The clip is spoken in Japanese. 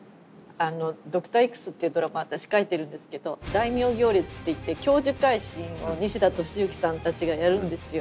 「ドクターＸ」っていうドラマ私書いてるんですけど大名行列っていって教授回診を西田敏行さんたちがやるんですよ。